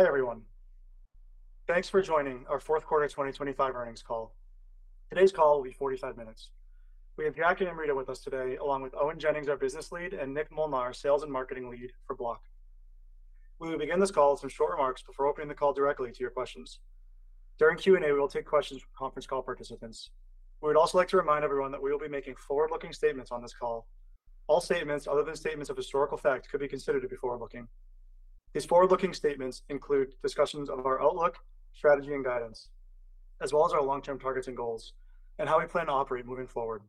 Hi, everyone. Thanks for joining our Fourth Quarter 2025 Earnings Call. Today's call will be 45 minutes. We have Jack and Amrita with us today, along with Owen Jennings, our Business Lead, and Nick Molnar, our Sales and Marketing Lead for Block. We will begin this call with some short remarks before opening the call directly to your questions. During Q&A, we will take questions from conference call participants. We would also like to remind everyone that we will be making forward-looking statements on this call. All statements, other than statements of historical fact, could be considered to be forward-looking. These forward-looking statements include discussions of our outlook, strategy, and guidance, as well as our long-term targets and goals, and how we plan to operate moving forward.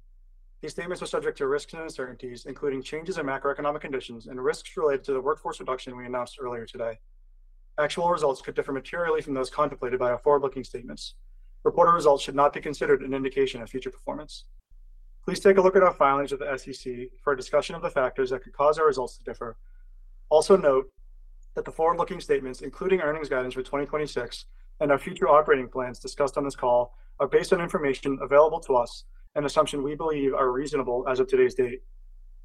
These statements are subject to risks and uncertainties, including changes in macroeconomic conditions and risks related to the workforce reduction we announced earlier today. Actual results could differ materially from those contemplated by our forward-looking statements. Reported results should not be considered an indication of future performance. Please take a look at our filings with the SEC for a discussion of the factors that could cause our results to differ. Note, that the forward-looking statements, including earnings guidance for 2026 and our future operating plans discussed on this call, are based on information available to us and assumptions we believe are reasonable as of today's date.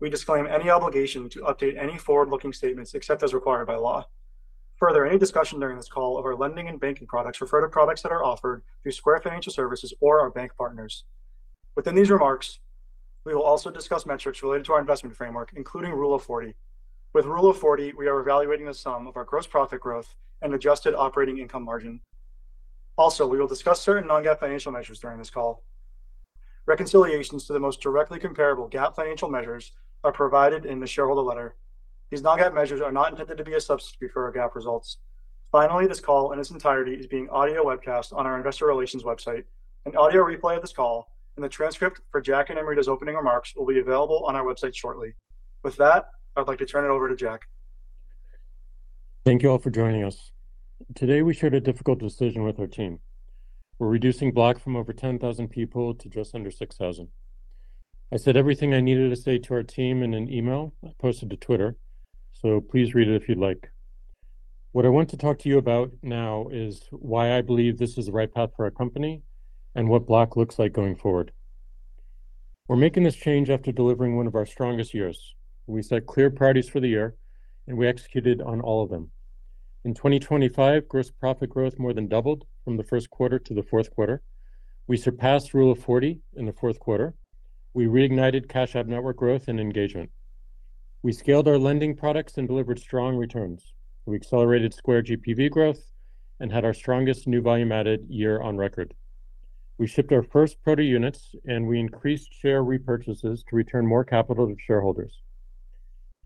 We disclaim any obligation to update any forward-looking statements except as required by law. Any discussion during this call of our lending and banking products refer to products that are offered through Square Financial Services or our bank partners. Within these remarks, we will also discuss metrics related to our investment framework, including Rule of 40. With Rule of 40, we are evaluating the sum of our gross profit growth and adjusted operating income margin. We will discuss certain non-GAAP financial measures during this call. Reconciliations to the most directly comparable GAAP financial measures are provided in the shareholder letter. These non-GAAP measures are not intended to be a substitute for our GAAP results. This call, in its entirety, is being audio webcast on our Investor Relations website. An audio replay of this call and the transcript for Jack and Amrita's opening remarks will be available on our website shortly. I'd like to turn it over to Jack. Thank you all for joining us. Today, we shared a difficult decision with our team. We're reducing Block from over 10,000 people to just under 6,000. I said everything I needed to say to our team in an email I posted to Twitter. Please read it if you'd like. What I want to talk to you about now is why I believe this is the right path for our company and what Block looks like going forward. We're making this change after delivering one of our strongest years. We set clear priorities for the year. We executed on all of them. In 2025, gross profit growth more than doubled from the first quarter to the fourth quarter. We surpassed Rule of 40 in the fourth quarter. We reignited Cash App network growth and engagement. We scaled our lending products and delivered strong returns. We accelerated Square GPV growth and had our strongest new volume added year on record. We shipped our first Proto units. We increased share repurchases to return more capital to shareholders.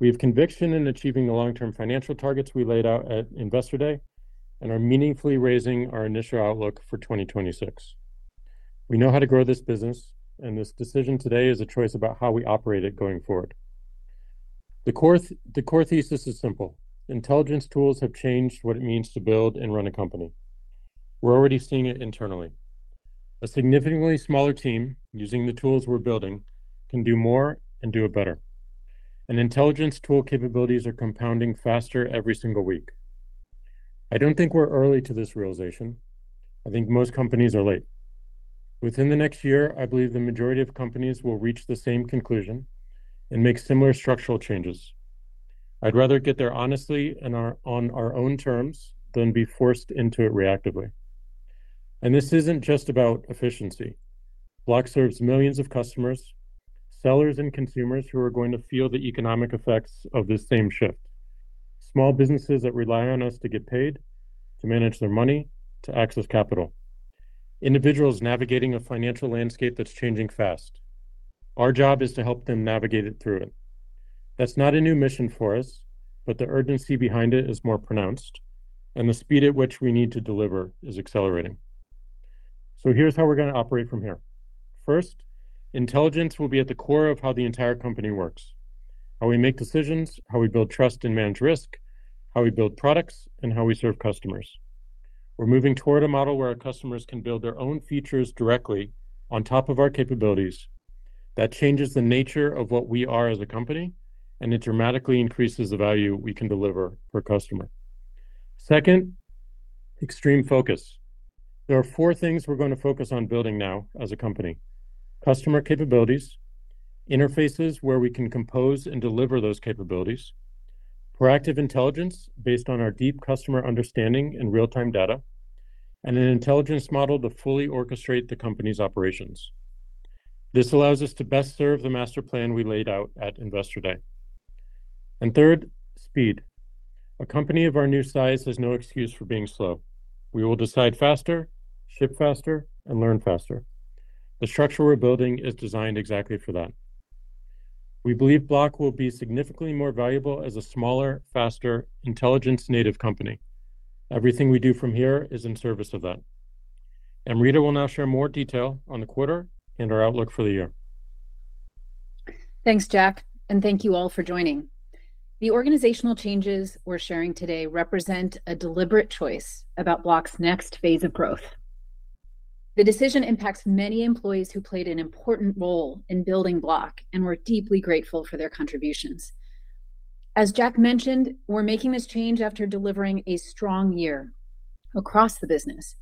We have conviction in achieving the long-term financial targets we laid out at Investor Day. We are meaningfully raising our initial outlook for 2026. We know how to grow this business. This decision today is a choice about how we operate it going forward. The core thesis is simple: intelligence tools have changed what it means to build and run a company. We're already seeing it internally. A significantly smaller team, using the tools we're building, can do more and do it better. Intelligence tool capabilities are compounding faster every single week. I don't think we're early to this realization. I think most companies are late. Within the next year, I believe the majority of companies will reach the same conclusion and make similar structural changes. I'd rather get there honestly and on our own terms than be forced into it reactively. This isn't just about efficiency. Block serves millions of customers, sellers, and consumers who are going to feel the economic effects of this same shift. Small businesses that rely on us to get paid, to manage their money, to access capital. Individuals navigating a financial landscape that's changing fast. Our job is to help them navigate it through it. That's not a new mission for us, but the urgency behind it is more pronounced, and the speed at which we need to deliver is accelerating. Here's how we're gonna operate from here. First, intelligence will be at the core of how the entire company works, how we make decisions, how we build trust and manage risk, how we build products, and how we serve customers. We're moving toward a model where our customers can build their own features directly on top of our capabilities. That changes the nature of what we are as a company, and it dramatically increases the value we can deliver per customer. Second, extreme focus. There are four things we're going to focus on building now as a company: customer capabilities, interfaces where we can compose and deliver those capabilities, proactive intelligence based on our deep customer understanding and real-time data, and an intelligence model to fully orchestrate the company's operations. This allows us to best serve the master plan we laid out at Investor Day. Third, speed. A company of our new size has no excuse for being slow. We will decide faster, ship faster, and learn faster. The structure we're building is designed exactly for that. We believe Block will be significantly more valuable as a smaller, faster, intelligence-native company. Everything we do from here is in service of that. Amrita will now share more detail on the quarter and our outlook for the year. Thanks, Jack. Thank you all for joining. The organizational changes we're sharing today represent a deliberate choice about Block's next phase of growth. The decision impacts many employees who played an important role in building Block, and we're deeply grateful for their contributions. As Jack mentioned, we're making this change after delivering a strong year across the business.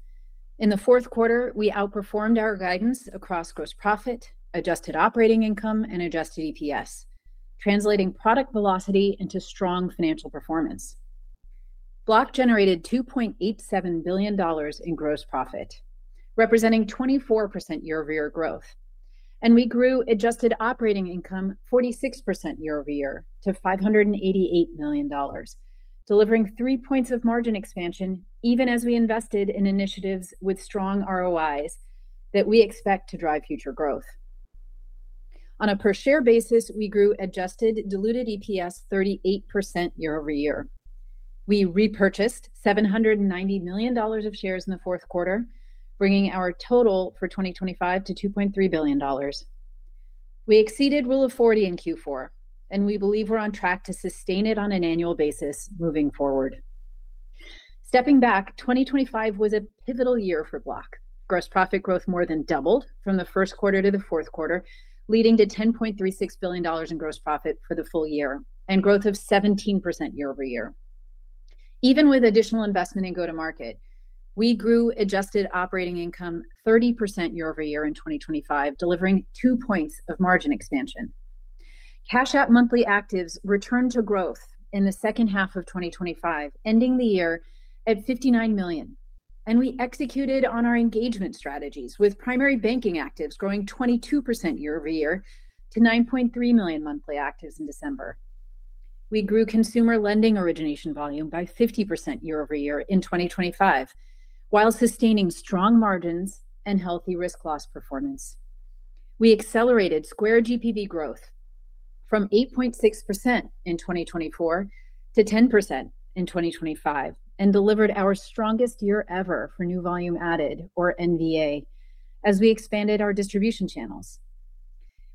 In the fourth quarter, we outperformed our guidance across gross profit, adjusted operating income, and adjusted EPS, translating product velocity into strong financial performance. Block generated $2.87 billion in gross profit, representing 24% year-over-year growth, and we grew adjusted operating income 46% year-over-year to $588 million, delivering 3 points of margin expansion, even as we invested in initiatives with strong ROIs that we expect to drive future growth. On a per-share basis, we grew adjusted diluted EPS 38% year-over-year. We repurchased $790 million of shares in the fourth quarter, bringing our total for 2025 to $2.3 billion. We exceeded Rule of 40 in Q4, and we believe we're on track to sustain it on an annual basis moving forward. Stepping back, 2025 was a pivotal year for Block. Gross profit growth more than doubled from the first quarter to the fourth quarter, leading to $10.36 billion in gross profit for the full year and growth of 17% year-over-year. Even with additional investment in go-to-market, we grew adjusted operating income 30% year-over-year in 2025, delivering 2 points of margin expansion. Cash App monthly actives returned to growth in the second half of 2025, ending the year at 59 million, and we executed on our engagement strategies, with primary banking actives growing 22% year-over-year to 9.3 million monthly actives in December. We grew consumer lending origination volume by 50% year-over-year in 2025, while sustaining strong margins and healthy risk loss performance. We accelerated Square GPV growth from 8.6% in 2024 to 10% in 2025 and delivered our strongest year ever for new volume added, or NVA, as we expanded our distribution channels.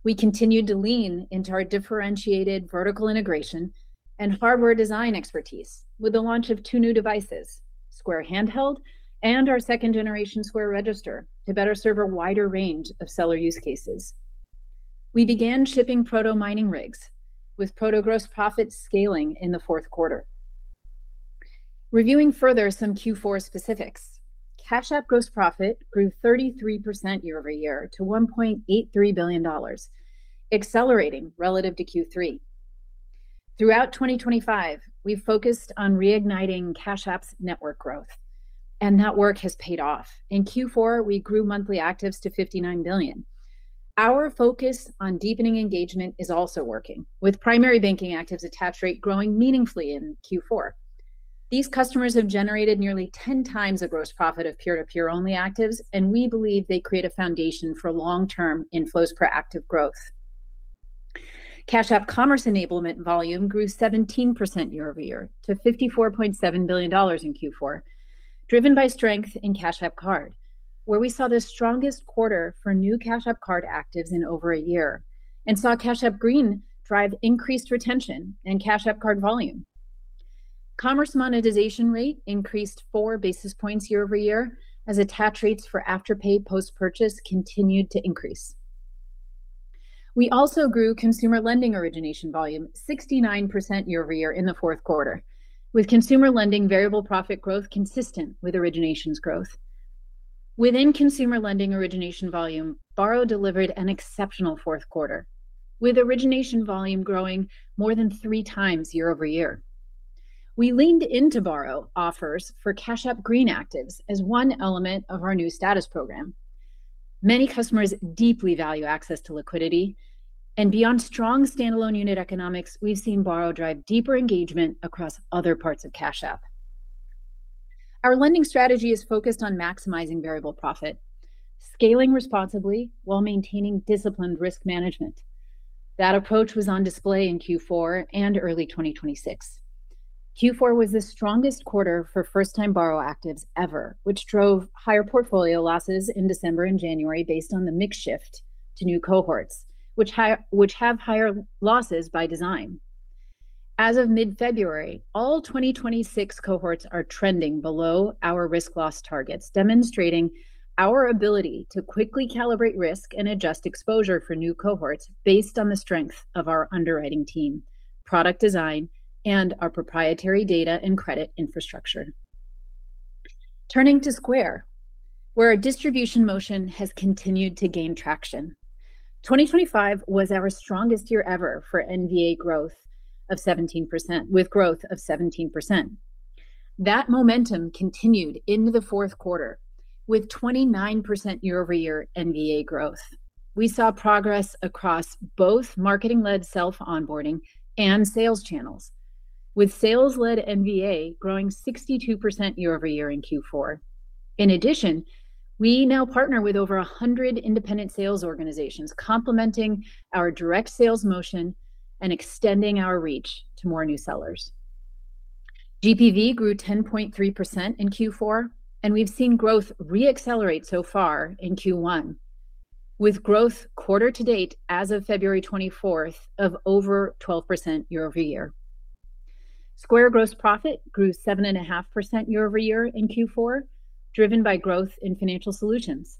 We continued to lean into our differentiated vertical integration and hardware design expertise with the launch of two new devices, Square Handheld and our second-generation Square Register, to better serve a wider range of seller use cases. We began shipping Proto mining rigs, with Proto gross profit scaling in the Q4. Reviewing further some Q4 specifics, Cash App gross profit grew 33% year-over-year to $1.83 billion, accelerating relative to Q3. Throughout 2025, we've focused on reigniting Cash App's network growth, and that work has paid off. In Q4, we grew monthly actives to 59 billion. Our focus on deepening engagement is also working, with primary banking actives attach rate growing meaningfully in Q4. These customers have generated nearly 10 times the gross profit of peer-to-peer only actives, and we believe they create a foundation for long-term inflows per active growth. Cash App commerce enablement volume grew 17% year-over-year to $54.7 billion in Q4, driven by strength in Cash App Card, where we saw the strongest quarter for new Cash App Card actives in over a year and saw Cash App Green drive increased retention and Cash App Card volume. commerce monetization rate increased 4 basis points year-over-year as attach rates for Afterpay post-purchase continued to increase. We also grew consumer lending origination volume 69% year-over-year in the fourth quarter, with consumer lending variable profit growth consistent with originations growth. Within consumer lending origination volume, Borrow delivered an exceptional fourth quarter, with origination volume growing more than 3 times year-over-year. We leaned into Borrow offers for Cash App Green actives as one element of our new status program. Beyond strong standalone unit economics, we've seen Borrow drive deeper engagement across other parts of Cash App. Our lending strategy is focused on maximizing variable profit, scaling responsibly while maintaining disciplined risk management. That approach was on display in Q4 and early 2026. Q4 was the strongest quarter for first-time Borrow actives ever, which drove higher portfolio losses in December and January based on the mix shift to new cohorts, which have higher losses by design. As of mid-February, all 2026 cohorts are trending below our risk loss targets, demonstrating our ability to quickly calibrate risk and adjust exposure for new cohorts based on the strength of our underwriting team, product design, and our proprietary data and credit infrastructure. Turning to Square, where our distribution motion has continued to gain traction. 2025 was our strongest year ever for NVA growth of 17%. That momentum continued into the Q4 with 29% year-over-year NVA growth. We saw progress across both marketing-led self-onboarding and sales channels, with sales-led NVA growing 62% year-over-year in Q4. In addition, we now partner with over 100 independent sales organizations, complementing our direct sales motion and extending our reach to more new sellers. GPV grew 10.3% in Q4. We've seen growth re-accelerate so far in Q1, with growth quarter to date as of February 24th of over 12% year-over-year. Square gross profit grew 7.5% year-over-year in Q4, driven by growth in financial solutions.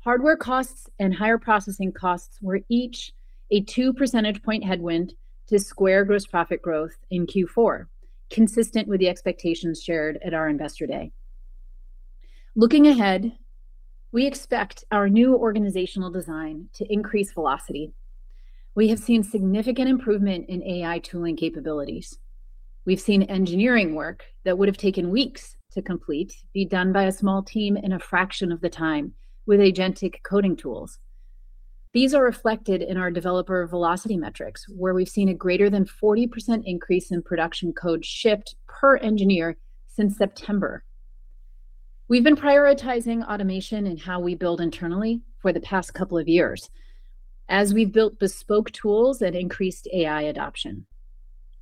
Hardware costs and higher processing costs were each a 2 percentage point headwind to Square gross profit growth in Q4, consistent with the expectations shared at our Investor Day. Looking ahead, we expect our new organizational design to increase velocity. We have seen significant improvement in AI tooling capabilities. We've seen engineering work that would have taken weeks to complete, be done by a small team in a fraction of the time with agentic coding tools. These are reflected in our developer velocity metrics, where we've seen a greater than 40% increase in production code shipped per engineer since September. We've been prioritizing automation and how we build internally for the past couple of years as we've built bespoke tools and increased AI adoption.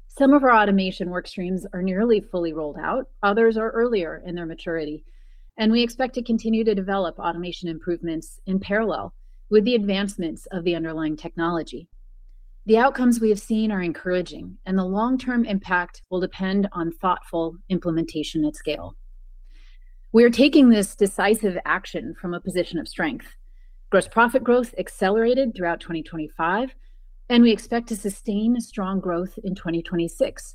Some of our automation work streams are nearly fully rolled out, others are earlier in their maturity, and we expect to continue to develop automation improvements in parallel with the advancements of the underlying technology. The outcomes we have seen are encouraging, and the long-term impact will depend on thoughtful implementation at scale. We are taking this decisive action from a position of strength. Gross profit growth accelerated throughout 2025, and we expect to sustain strong growth in 2026,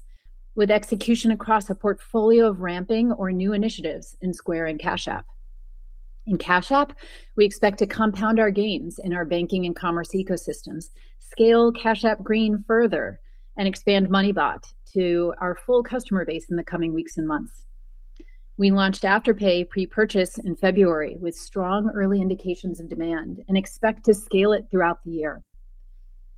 with execution across a portfolio of ramping or new initiatives in Square and Cash App. In Cash App, we expect to compound our gains in our banking and commerce ecosystems, scale Cash App Green further, and expand Money Bot to our full customer base in the coming weeks and months. We launched Afterpay pre-purchase in February with strong early indications of demand and expect to scale it throughout the year.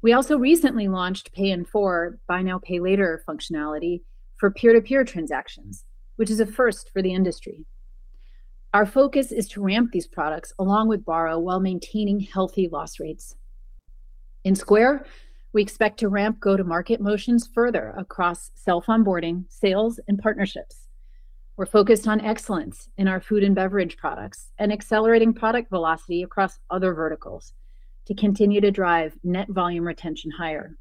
We also recently launched Pay in Four, buy now, pay later functionality for peer-to-peer transactions, which is a first for the industry. Our focus is to ramp these products along with Borrow, while maintaining healthy loss rates. In Square, we expect to ramp go-to-market motions further across self-onboarding, sales, and partnerships. We're focused on excellence in our food and beverage products and accelerating product velocity across other verticals to continue to drive net volume retention higher.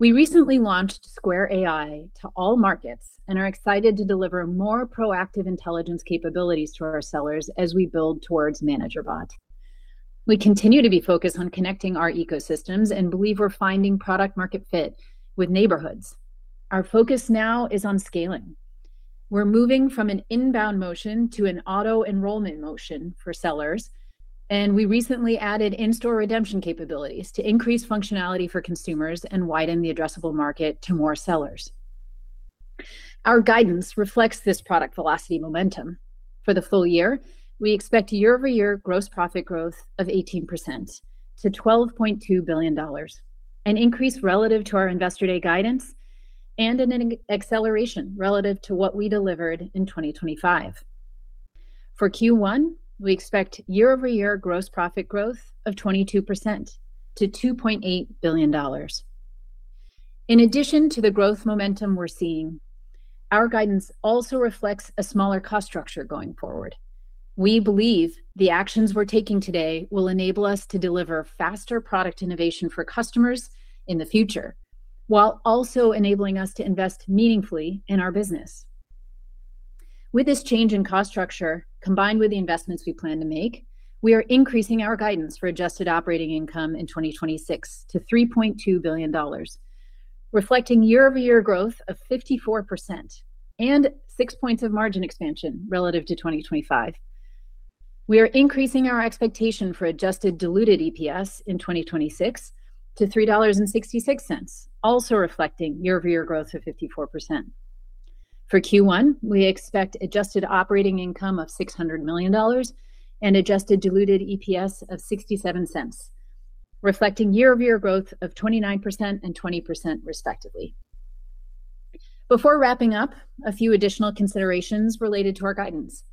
We recently launched Square AI to all markets and are excited to deliver more proactive intelligence capabilities to our sellers as we build towards ManagerBot. We continue to be focused on connecting our ecosystems and believe we're finding product market fit with Neighborhoods. Our focus now is on scaling. We're moving from an inbound motion to an auto-enrollment motion for sellers, and we recently added in-store redemption capabilities to increase functionality for consumers and widen the addressable market to more sellers. Our guidance reflects this product velocity momentum. For the full year, we expect year-over-year gross profit growth of 18% to $12.2 billion, an increase relative to our Investor Day guidance and an acceleration relative to what we delivered in 2025. For Q1, we expect year-over-year gross profit growth of 22% to $2.8 billion. In addition to the growth momentum we're seeing, our guidance also reflects a smaller cost structure going forward. We believe the actions we're taking today will enable us to deliver faster product innovation for customers in the future, while also enabling us to invest meaningfully in our business. With this change in cost structure, combined with the investments we plan to make, we are increasing our guidance for adjusted operating income in 2026 to $3.2 billion, reflecting year-over-year growth of 54% and 6 points of margin expansion relative to 2025. We are increasing our expectation for adjusted diluted EPS in 2026 to $3.66, also reflecting year-over-year growth of 54%. For Q1, we expect adjusted operating income of $600 million and adjusted diluted EPS of $0.67, reflecting year-over-year growth of 29% and 20% respectively. Before wrapping up, a few additional considerations related to our guidance.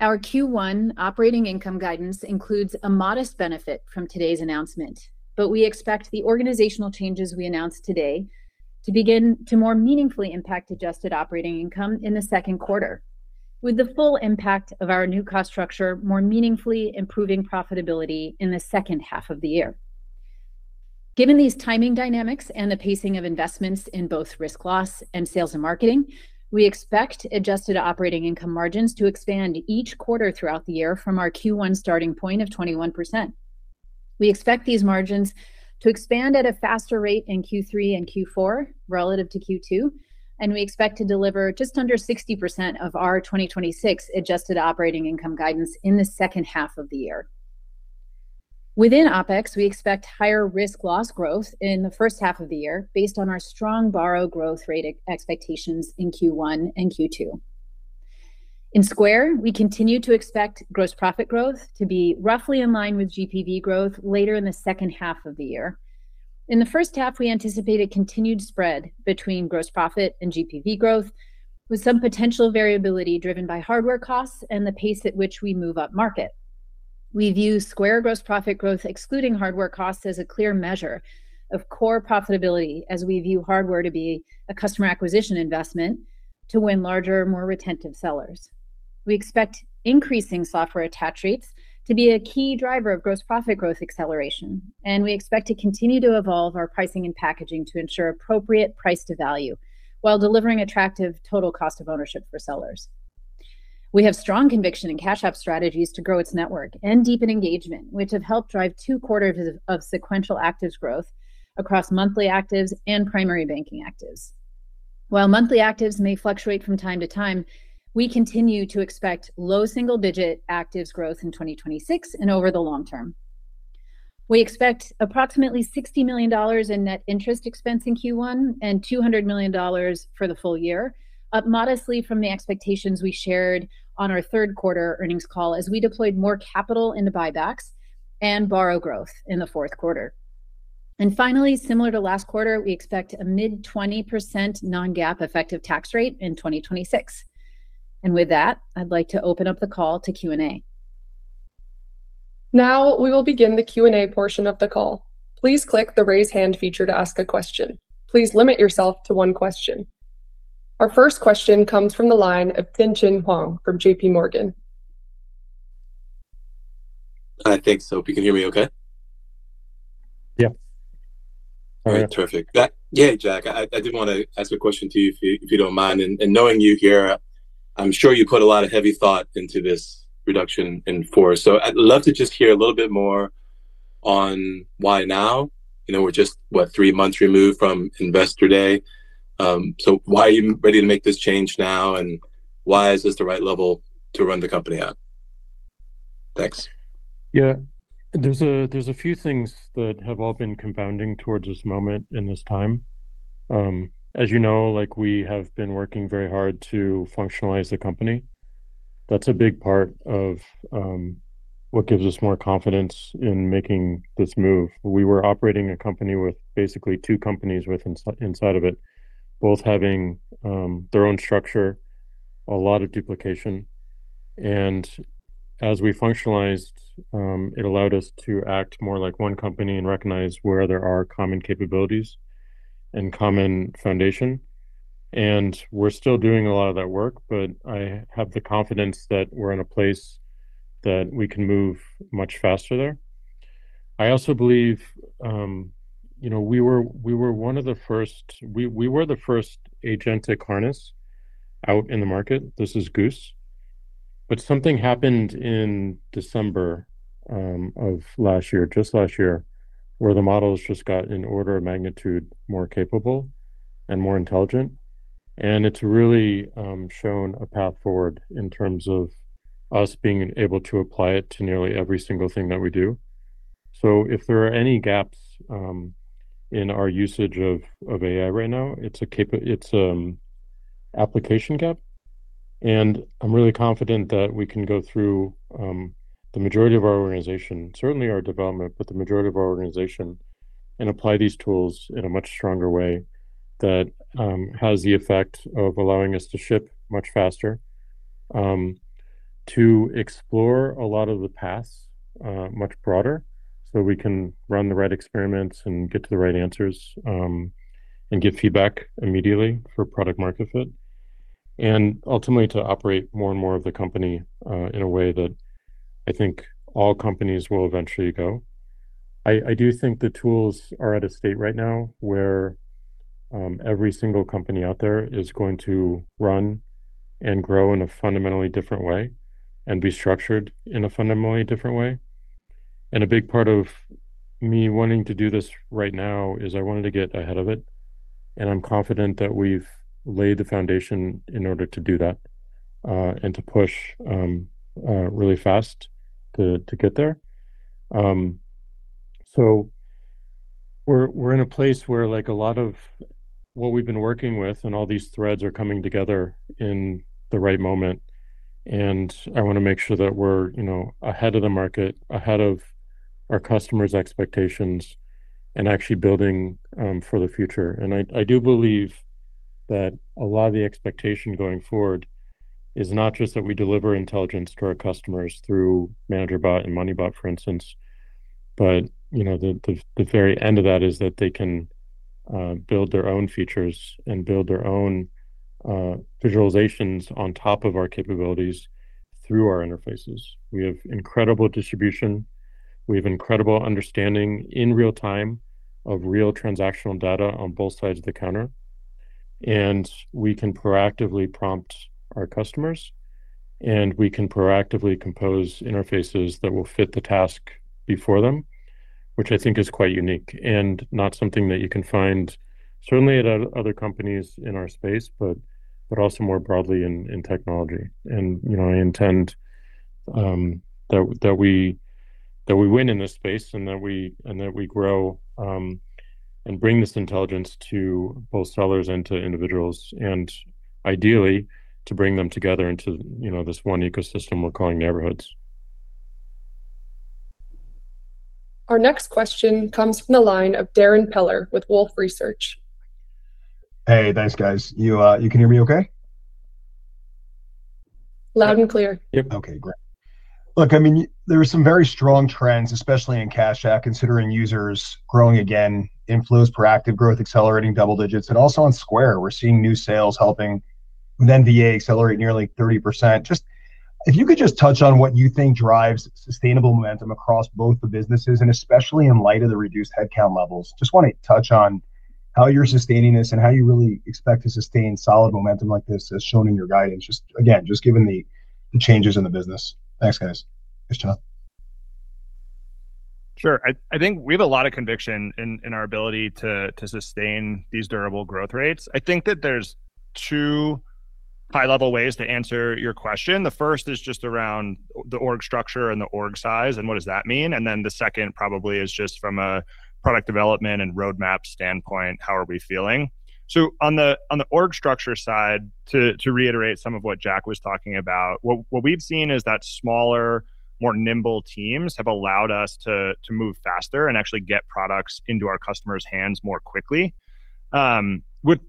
Our Q1 operating income guidance includes a modest benefit from today's announcement, but we expect the organizational changes we announced today to begin to more meaningfully impact adjusted operating income in the second quarter, with the full impact of our new cost structure more meaningfully improving profitability in the second half of the year. Given these timing dynamics and the pacing of investments in both risk loss and sales and marketing, we expect adjusted operating income margins to expand each quarter throughout the year from our Q1 starting point of 21%. We expect these margins to expand at a faster rate in Q3 and Q4 relative to Q2, and we expect to deliver just under 60% of our 2026 adjusted operating income guidance in the second half of the year. Within OpEx, we expect higher risk loss growth in the first half of the year, based on our strong Borrow growth rate expectations in Q1 and Q2. In Square, we continue to expect gross profit growth to be roughly in line with GPV growth later in the second half of the year. In the first half, we anticipate a continued spread between gross profit and GPV growth, with some potential variability driven by hardware costs and the pace at which we move upmarket. We view Square gross profit growth, excluding hardware costs, as a clear measure of core profitability, as we view hardware to be a customer acquisition investment to win larger, more retentive sellers. We expect increasing software attach rates to be a key driver of gross profit growth acceleration, and we expect to continue to evolve our pricing and packaging to ensure appropriate price to value while delivering attractive total cost of ownership for sellers. We have strong conviction in Cash App strategies to grow its network and deepen engagement, which have helped drive two quarters of sequential actives growth across monthly actives and primary banking actives. While monthly actives may fluctuate from time to time, we continue to expect low single-digit actives growth in 2026 and over the long term. We expect approximately $60 million in net interest expense in Q1, and $200 million for the full year, up modestly from the expectations we shared on our third quarter earnings call as we deployed more capital into buybacks and Borrow growth in the fourth quarter. Finally, similar to last quarter, we expect a mid 20% non-GAAP effective tax rate in 2026. With that, I'd like to open up the call to Q&A. We will begin the Q&A portion of the call. Please click the Raise Hand feature to ask a question. Please limit yourself to one question. Our first question comes from the line of Tien-Tsin Huang from JPMorgan. Hi. Thanks, Hope. You can hear me okay? Yeah. All right, terrific. Yeah, Jack, I did wanna ask a question to you, if you don't mind. Knowing you here, I'm sure you put a lot of heavy thought into this reduction in force. I'd love to just hear a little bit more on why now? You know, we're just, what, three months removed from Investor Day. Why are you ready to make this change now, and why is this the right level to run the company at? Thanks. Yeah. There's a, there's a few things that have all been compounding towards this moment and this time. As you know, like, we have been working very hard to functionalize the company. That's a big part of what gives us more confidence in making this move. We were operating a company with basically two companies inside of it, both having their own structure, a lot of duplication. As we functionalized, it allowed us to act more like one company and recognize where there are common capabilities and common foundation, and we're still doing a lot of that work, but I have the confidence that we're in a place that we can move much faster there. I also believe, you know, we were the first agentic harness out in the market. This is Goose. Something happened in December of last year, just last year, where the models just got an order of magnitude more capable and more intelligent, and it's really shown a path forward in terms of us being able to apply it to nearly every single thing that we do. If there are any gaps in our usage of AI right now, it's an application gap. I'm really confident that we can go through the majority of our organization, certainly our development, but the majority of our organization, and apply these tools in a much stronger way that has the effect of allowing us to ship much faster, to explore a lot of the paths much broader. We can run the right experiments and get to the right answers. We get feedback immediately for product market fit, and ultimately to operate more and more of the company in a way that I think all companies will eventually go. I do think the tools are at a state right now where every single company out there is going to run and grow in a fundamentally different way and be structured in a fundamentally different way. A big part of me wanting to do this right now is I wanted to get ahead of it, and I'm confident that we've laid the foundation in order to do that and to push really fast to get there. We're in a place where, like, a lot of what we've been working with and all these threads are coming together in the right moment, I wanna make sure that we're, you know, ahead of the market, ahead of our customers' expectations, and actually building for the future. I do believe that a lot of the expectation going forward is not just that we deliver intelligence to our customers through ManagerBot and MoneyBot, for instance, but, you know, the very end of that is that they can build their own features and build their own visualizations on top of our capabilities through our interfaces. We have incredible distribution, we have incredible understanding in real time of real transactional data on both sides of the counter, and we can proactively prompt our customers, and we can proactively compose interfaces that will fit the task before them, which I think is quite unique and not something that you can find certainly at other companies in our space, but also more broadly in technology. You know, I intend, that we win in this space, and that we grow, and bring this intelligence to both sellers and to individuals, and ideally, to bring them together into, you know, this one ecosystem we're calling Neighborhoods. Our next question comes from the line of Darrin Peller with Wolfe Research. Hey, thanks, guys. You can hear me okay? Loud and clear. Yep. Okay, great. Look, I mean, there are some very strong trends, especially in Cash App, considering users growing again, influence proactive growth, accelerating double digits, and also on Square, we're seeing new sales helping with NVA accelerate nearly 30%. If you could just touch on what you think drives sustainable momentum across both the businesses and especially in light of the reduced headcount levels. How you're sustaining this, and how you really expect to sustain solid momentum like this, as shown in your guidance, just, again, just given the changes in the business? Thanks, guys. Thanks, Jack. Sure. I think we have a lot of conviction in our ability to sustain these durable growth rates. I think that there's two high-level ways to answer your question. The first is just around the org structure and the org size, and what does that mean? The second probably is just from a product development and roadmap standpoint, how are we feeling? On the org structure side, to reiterate some of what Jack was talking about, what we've seen is that smaller, more nimble teams have allowed us to move faster and actually get products into our customers' hands more quickly.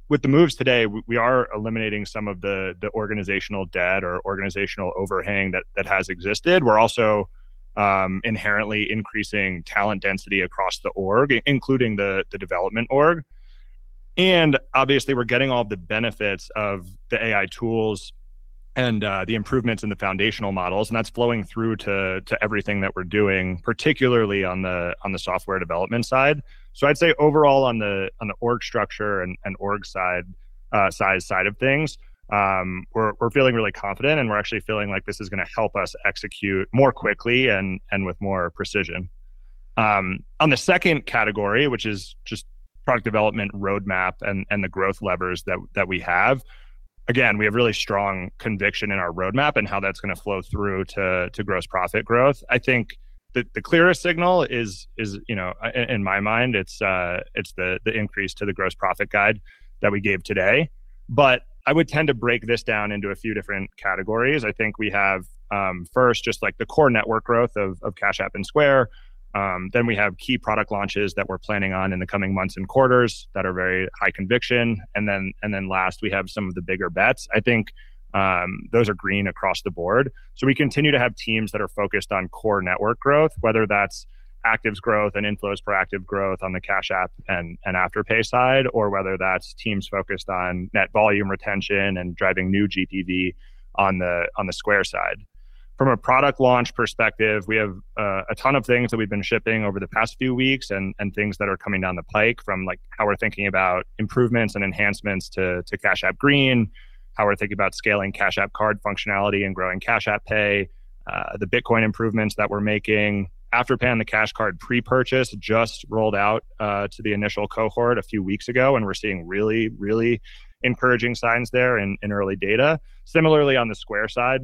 With the moves today, we are eliminating some of the organizational debt or organizational overhang that has existed. We're also inherently increasing talent density across the org, including the development org. And obviously, we're getting all of the benefits of the AI tools and the improvements in the foundational models, and that's flowing through to everything that we're doing, particularly on the software development side. I'd say overall, on the org structure and org side, size side of things, we're feeling really confident, and we're actually feeling like this is gonna help us execute more quickly and with more precision. On the second category, which is just product development roadmap and the growth levers that we have, again, we have really strong conviction in our roadmap and how that's gonna flow through to gross profit growth. I think the clearest signal is, you know, in my mind, it's the increase to the gross profit guide that we gave today. I would tend to break this down into a few different categories. I think we have first, just, like, the core network growth of Cash App and Square, then we have key product launches that we're planning on in the coming months and quarters that are very high conviction, and then last, we have some of the bigger bets. I think those are green across the board. We continue to have teams that are focused on core network growth, whether that's actives growth, and inflows for active growth on the Cash App and Afterpay side, or whether that's teams focused on net volume retention and driving new GPV on the Square side. From a product launch perspective, we have a ton of things that we've been shipping over the past few weeks and things that are coming down the pike, from, like, how we're thinking about improvements and enhancements to Cash App Green, how we're thinking about scaling Cash App Card functionality and growing Cash App Pay, the bitcoin improvements that we're making. Afterpay and the Cash Card pre-purchase just rolled out to the initial cohort a few weeks ago, and we're seeing really encouraging signs there in early data. Similarly, on the Square side,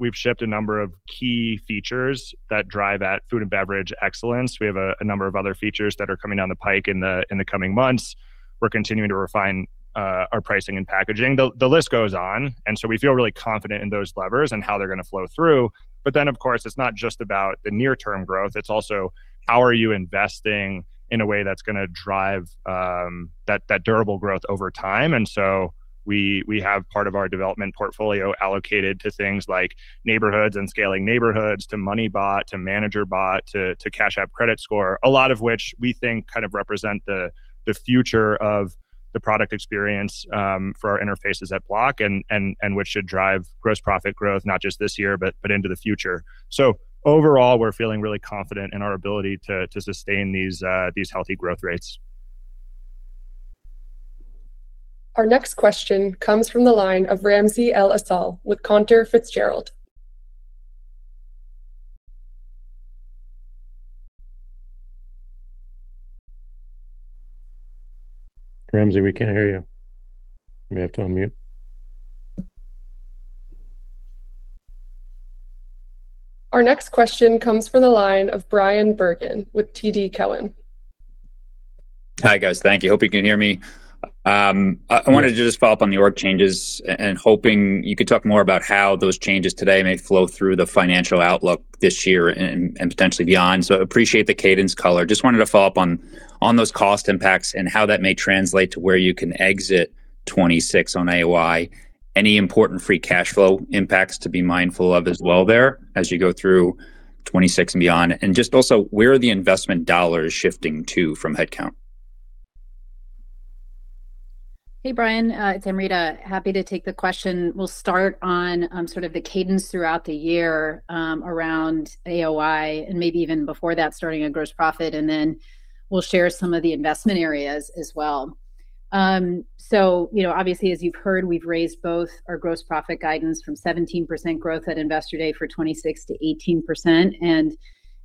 we've shipped a number of key features that drive at food and beverage excellence. We have a number of other features that are coming down the pike in the coming months. We're continuing to refine our pricing and packaging. The list goes on. We feel really confident in those levers and how they're gonna flow through. Of course, it's not just about the near-term growth, it's also: how are you investing in a way that's gonna drive that durable growth over time? We have part of our development portfolio allocated to things like Neighborhoods and scaling Neighborhoods, to MoneyBot, to ManagerBot, to Cash App Score, a lot of which we think kind of represent the future of the product experience for our interfaces at Block and which should drive gross profit growth, not just this year, but into the future. Overall, we're feeling really confident in our ability to sustain these healthy growth rates. Our next question comes from the line of Ramsey El-Assal with Cantor Fitzgerald. Ramsey, we can't hear you. You may have to unmute. Our next question comes from the line of Bryan Bergin with TD Cowen. Hi, guys. Thank you. Hope you can hear me. I wanted to just follow up on the org changes and hoping you could talk more about how those changes today may flow through the financial outlook this year and, potentially beyond? Appreciate the cadence color. Just wanted to follow up on those cost impacts and how that may translate to where you can exit 2026 on AOI? Any important free cash flow impacts to be mindful of as well there, as you go through 2026 and beyond? Just also, where are the investment dollars shifting to from headcount? Hey, Bryan, it's Amrita. Happy to take the question. We'll start on sort of the cadence throughout the year around AOI, and maybe even before that, starting on gross profit, and then we'll share some of the investment areas as well. You know, obviously, as you've heard, we've raised both our gross profit guidance from 17% growth at Investor Day for 2026 to 18%,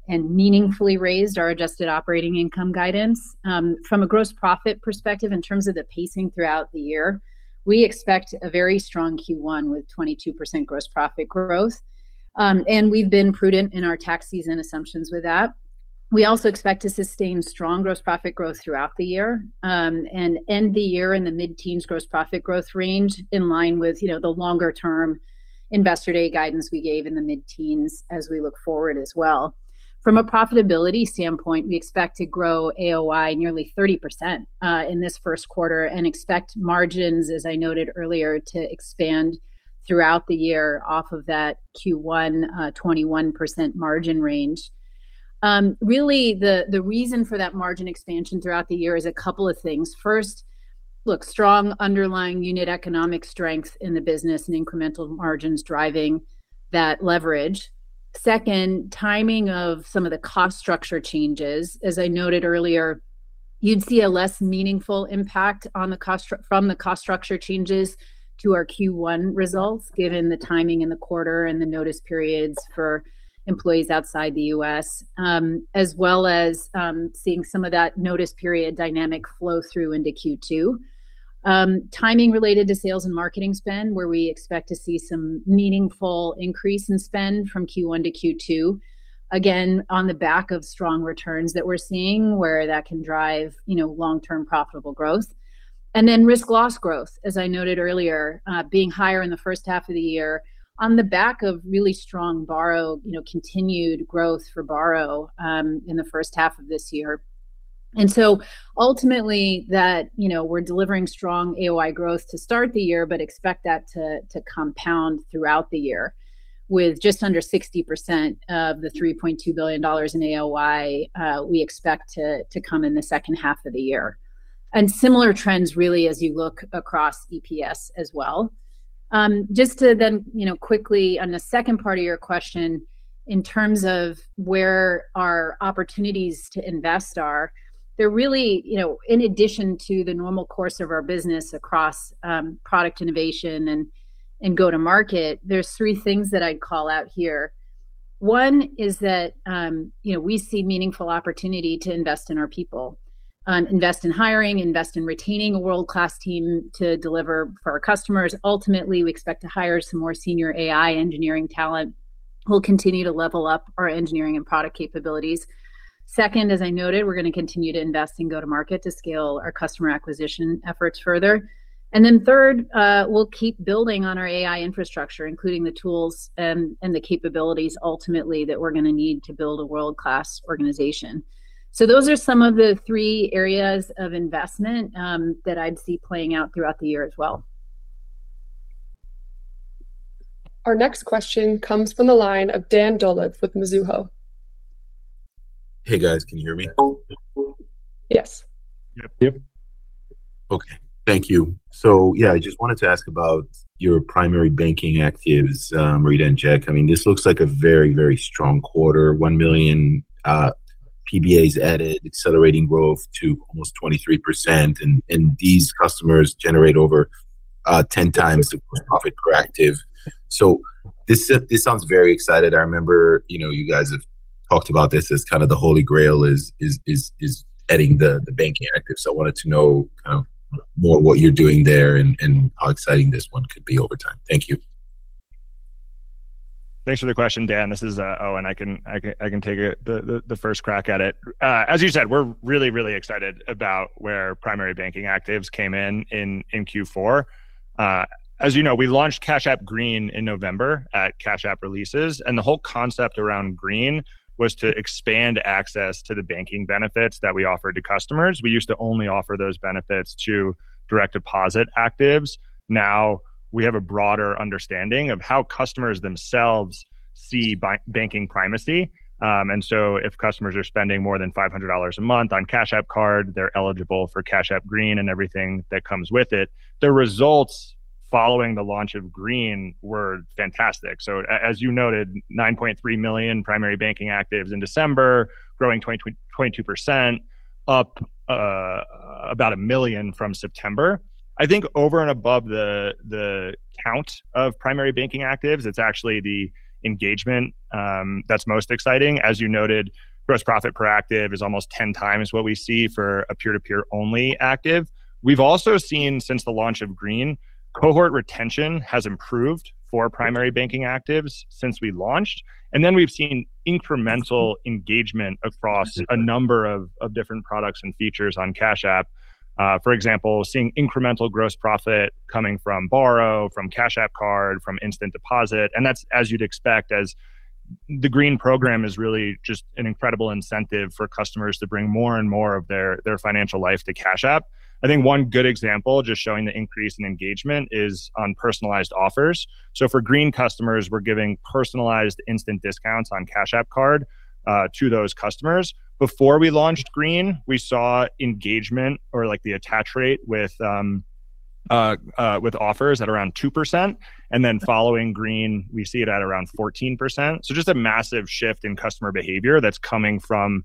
and meaningfully raised our adjusted operating income guidance. From a gross profit perspective, in terms of the pacing throughout the year, we expect a very strong Q1 with 22% gross profit growth. We've been prudent in our tax season assumptions with that. We also expect to sustain strong gross profit growth throughout the year, and end the year in the mid-teens gross profit growth range, in line with the longer-term Investor Day guidance we gave in the mid-teens as we look forward as well. From a profitability standpoint, we expect to grow AOI nearly 30% in this Q1 and expect margins, as I noted earlier, to expand throughout the year off of that Q1 21% margin range. Really, the reason for that margin expansion throughout the year is a couple of things. Look, strong underlying unit economic strength in the business and incremental margins driving that leverage. Second, timing of some of the cost structure changes. As I noted earlier, you'd see a less meaningful impact on the cost structure changes to our Q1 results, given the timing in the quarter and the notice periods for employees outside the U.S., as well as seeing some of that notice period dynamic flow through into Q2. Timing related to sales and marketing spend, where we expect to see some meaningful increase in spend from Q1 to Q2, again, on the back of strong returns that we're seeing, where that can drive, you know, long-term profitable growth. Risk loss growth, as I noted earlier, being higher in the first half of the year on the back of really strong Borrow, you know, continued growth for Borrow, in the first half of this year. Ultimately, that, you know, we're delivering strong AOI growth to start the year, but expect that to compound throughout the year, with just under 60% of the $3.2 billion in AOI we expect to come in the second half of the year. Similar trends really, as you look across EPS as well. Just to, you know, quickly, on the second part of your question, in terms of where our opportunities to invest are, they're really, you know, in addition to the normal course of our business across product innovation and go-to-market, there's three things that I'd call out here. One is that, you know, we see meaningful opportunity to invest in our people, invest in hiring, invest in retaining a world-class team to deliver for our customers. Ultimately, we expect to hire some more senior AI engineering talent, who'll continue to level up our engineering and product capabilities. Second, as I noted, we're gonna continue to invest in go-to-market to scale our customer acquisition efforts further. Third, we'll keep building on our AI infrastructure, including the tools and the capabilities, ultimately, that we're gonna need to build a world-class organization. Those are some of the three areas of investment that I'd see playing out throughout the year as well. Our next question comes from the line of Dan Dolev with Mizuho. Hey, guys, can you hear me? Yes. Yep, yep. Okay. Thank you. Yeah, I just wanted to ask about your primary banking actives, Amrita and Jack. I mean, this looks like a very, very strong quarter. $1 million PBAs added, accelerating growth to almost 23%, and these customers generate over 10 times the profit per active. This sounds very exciting. I remember, you know, you guys have talked about this as kind of the holy grail is adding the banking actives. I wanted to know kind of more what you're doing there and how exciting this one could be over time. Thank you. Thanks for the question, Dan. This is Owen, I can take it, the first crack at it. As you said, we're really excited about where primary banking actives came in Q4. As you know, we launched Cash App Green in November at Cash App releases, and the whole concept around Green was to expand access to the banking benefits that we offer to customers. We used to only offer those benefits to direct deposit actives. Now, we have a broader understanding of how customers themselves see banking primacy. If customers are spending more than $500 a month on Cash App Card, they're eligible for Cash App Green and everything that comes with it. The results following the launch of Green were fantastic. As you noted, 9.3 million primary banking actives in December, growing 22%, up about $1 million from September. I think over and above the count of primary banking actives, it's actually the engagement that's most exciting. As you noted, gross profit per active is almost 10 times what we see for a peer-to-peer only active. We've also seen, since the launch of Green, cohort retention has improved for primary banking actives since we launched, and then we've seen incremental engagement across a number of different products and features on Cash App. For example, seeing incremental gross profit coming from Borrow, from Cash App Card, from Instant Deposit, and that's as you'd expect, as the Green program is really just an incredible incentive for customers to bring more and more of their financial life to Cash App. I think one good example, just showing the increase in engagement, is on personalized offers. For Green customers, we're giving personalized instant discounts on Cash App Card to those customers. Before we launched Green, we saw engagement or, like, the attach rate with offers at around 2%, and then following Green, we see it at around 14%. Just a massive shift in customer behavior that's coming from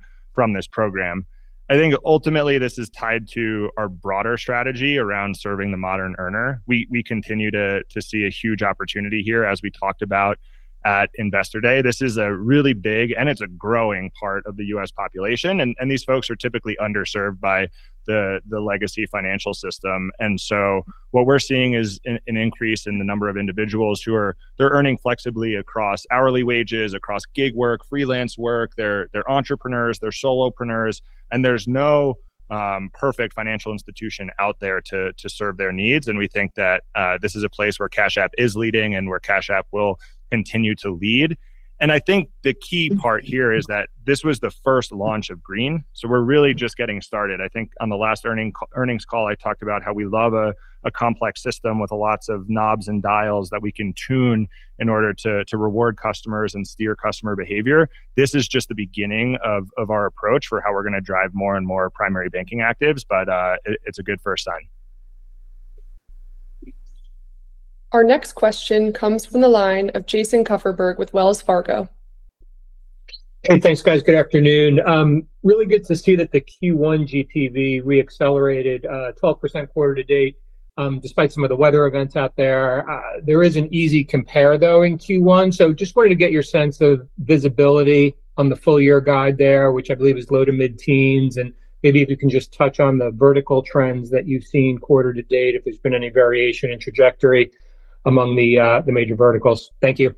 this program. I think ultimately, this is tied to our broader strategy around serving the modern earner. We continue to see a huge opportunity here, as we talked about at Investor Day. This is a really big, and it's a growing part of the U.S. population, and these folks are typically underserved by the legacy financial system. What we're seeing is an increase in the number of individuals who are. They're earning flexibly across hourly wages, across gig work, freelance work, they're entrepreneurs, they're solopreneurs, and there's no perfect financial institution out there to serve their needs. We think that this is a place where Cash App is leading and where Cash App will continue to lead. I think the key part here is that this was the first launch of Green, so we're really just getting started. I think on the last earnings call, I talked about how we love a complex system with lots of knobs and dials that we can tune in order to reward customers and steer customer behavior. This is just the beginning of our approach for how we're gonna drive more and more primary banking actives, but it's a good first sign. Our next question comes from the line of Jason Kupferberg with Wells Fargo. Hey, thanks, guys. Good afternoon. Really good to see that the Q1 GPV re-accelerated, 12% quarter to date, despite some of the weather events out there. There is an easy compare, though, in Q1. Just wanted to get your sense of visibility on the full year guide there, which I believe is low to mid-teens, and maybe if you can just touch on the vertical trends that you've seen quarter to date, if there's been any variation in trajectory among the major verticals. Thank you.